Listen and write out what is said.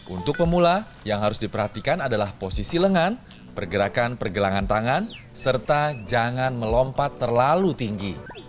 untuk pemula yang harus diperhatikan adalah posisi lengan pergerakan pergelangan tangan serta jangan melompat terlalu tinggi